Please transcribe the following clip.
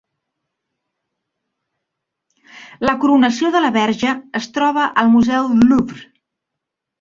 La "Coronació de la Verge" es troba al museu Louvre